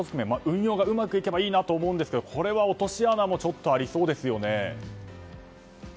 良くうまくいけばいいなと思うんですが落とし穴もありそうですよね。